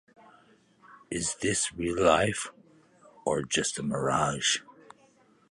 Is this real life, or just a mirage?